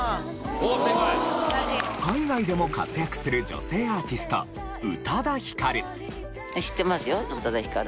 海外でも活躍する女性アーティスト宇多田ヒカル。